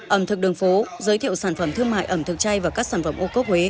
ẩm thực đường phố giới thiệu sản phẩm thương mại ẩm thực chay và các sản phẩm bộ